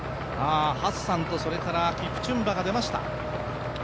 ハッサンとキプチュンバが出ました。